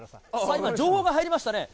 今、情報が入りましたね。